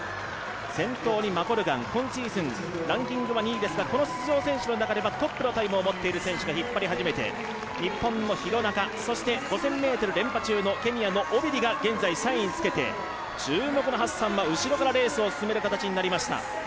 先頭にマコルガン、今シーズンランキングは２位ですが、この出場選手の中ではトップのタイムを持っている選手が引っ張り始めて日本の廣中、そして５０００ｍのケニアのオビリが現在３位につけて注目のハッサンは後ろからレースを進める形となりました。